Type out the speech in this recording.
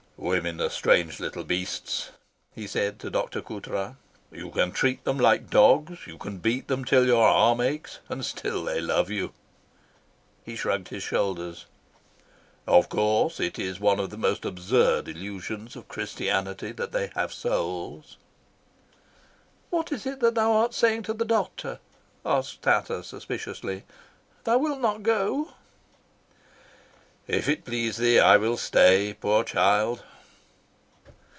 "Women are strange little beasts," he said to Dr. Coutras. "You can treat them like dogs, you can beat them till your arm aches, and still they love you." He shrugged his shoulders. "Of course, it is one of the most absurd illusions of Christianity that they have souls." "What is it that thou art saying to the doctor?" asked Ata suspiciously. "Thou wilt not go?" "If it please thee I will stay, poor child."